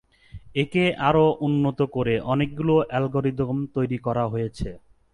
একে আরও উন্নত করে অনেকগুলো অ্যালগোরিদম তৈরি করা হয়েছে।